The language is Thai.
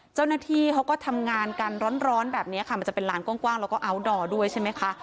เจ้าหน้าที่เขาก็ทำงานกันร้อนแบบนี้ค่ะมันจะเป็นลานกว้างแล้วก็อัลดอร์ด้วยใช่ไหมคะ